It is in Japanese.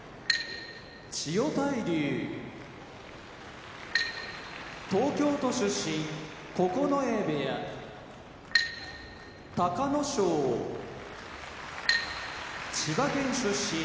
千代大龍東京都出身九重部屋隆の勝千葉県出身